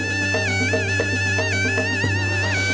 mereka akan menjelaskan kekuatan mereka